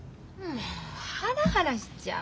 もうハラハラしちゃう。